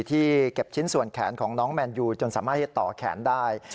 ที่เก็บชิ้นส่วนแขนของน้องแมนยูจนสามารถที่จะต่อแขนได้